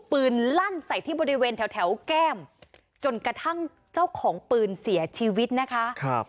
ลั่นใส่ที่บริเวณแถวแก้มจนกระทั่งเจ้าของปืนเสียชีวิตนะคะ